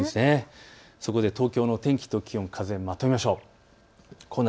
そこで東京の天気と気温、風をまとめましょう。